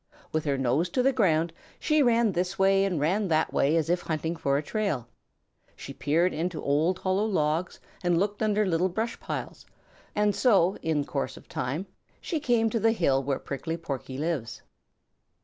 With her nose to the ground she ran this way and ran that way as if hunting for a trail. She peered into old hollow logs and looked under little brush piles, and so, in course of time, she came to the hill where Prickly Porky lives.